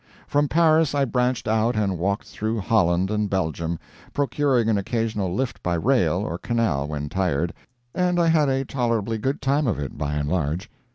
From Paris I branched out and walked through Holland and Belgium, procuring an occasional lift by rail or canal when tired, and I had a tolerably good time of it "by and large."